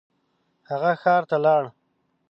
هغه ښار ته لاړ.